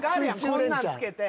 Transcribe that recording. こんなんつけて。